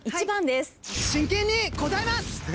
１番です。